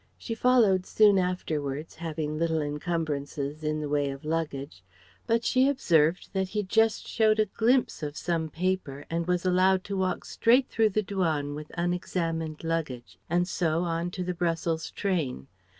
She followed soon afterwards, having little encumbrances in the way of luggage; but she observed that he just showed a glimpse of some paper and was allowed to walk straight through the Douane with unexamined luggage, and so, on to the Brussels train.